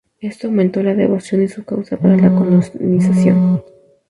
Esto aumentó la devoción y su causa para la canonización.